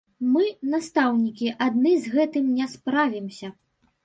Мы, настаўнікі, адны з гэтым не справімся.